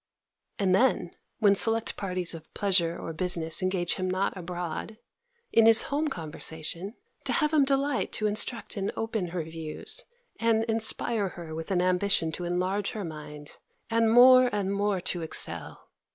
And then, when select parties of pleasure or business engaged him not abroad, in his home conversation, to have him delight to instruct and open her views, and inspire her with an ambition to enlarge her mind, and more and more to excel!